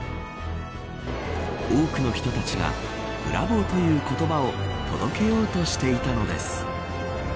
多くの人たちがブラボーという言葉を届けようとしていたのです。